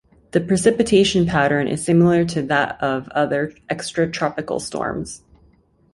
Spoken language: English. The precipitation pattern is similar to that of other extratropical storms.